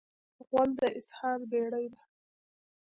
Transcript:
غول د اسهال بېړۍ ده.